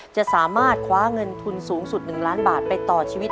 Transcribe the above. จะสามารถคว้าเงินทุนสูงสุด๑ล้านบาทไปต่อชีวิต